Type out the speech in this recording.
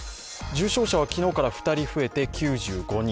重症者は昨日から２人増えて９５人。